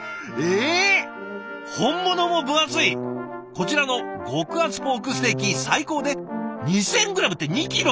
こちらの極厚ポークステーキ最高で２，０００ｇって２キロ！？